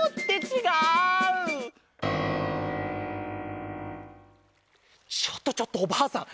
ちょっとちょっとおばあさん